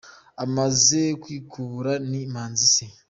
Amaze kwikubura n’Imanzi ze.